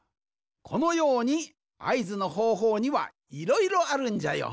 このようにあいずのほうほうにはいろいろあるんじゃよ。